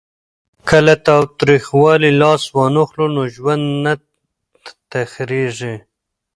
که له تاوتریخوالي لاس واخلو نو ژوند نه تریخیږي.